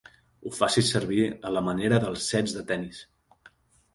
Ho facis servir a la manera dels sets de tennis.